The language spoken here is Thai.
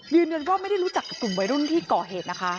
ยืนยันว่าไม่ได้รู้จักกับกลุ่มวัยรุ่นที่ก่อเหตุนะคะ